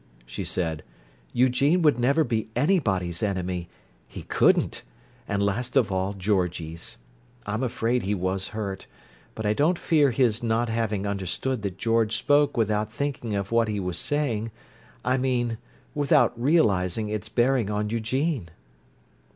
she said. "Eugene would never be anybody's enemy—he couldn't!—and last of all Georgie's. I'm afraid he was hurt, but I don't fear his not having understood that George spoke without thinking of what he was saying—I mean, with out realizing its bearing on Eugene."